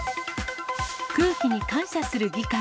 空気に感謝する議会。